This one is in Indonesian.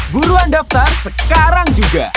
buruan daftar sekarang juga